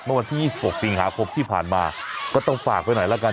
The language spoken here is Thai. เมื่อวันที่๒๖สิงหาคมที่ผ่านมาก็ต้องฝากไปหน่อยละกัน